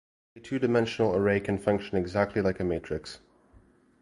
A two-dimensional array can function exactly like a matrix.